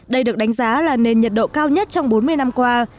đây được đánh giá là nền nhiệt độ cao nhất trong bốn mươi năm qua